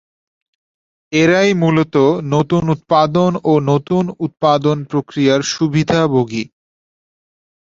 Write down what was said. এরাই মূলত নতুন উৎপাদন ও নতুন উৎপাদন প্রক্রিয়ার সুবিধাভোগী।